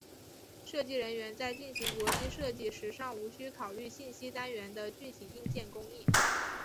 设计人员在进行逻辑设计时尚无需考虑信息单元的具体硬件工艺。